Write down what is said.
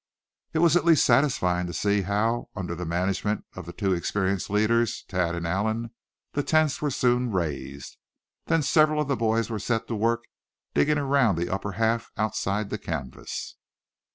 It was at least satisfying to see how, under the management of the two experienced leaders, Thad and Allan, the tents were soon raised. Then several of the boys were set to work digging around the upper half outside the canvas.